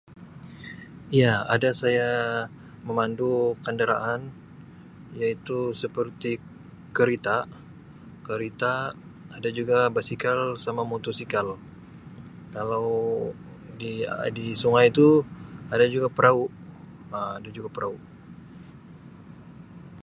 Iya ada saya memandu kenderaan iaitu seperti kerita kerita ada juga basikal sama motosikal kalau di-di sungai tu ada juga perahu Um ada juga perahu.